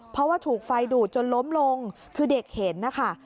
เพราะว่าถูกไฟดูดจนล้มลงคือเด็กเห็นนะคะ